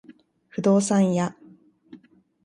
不動産屋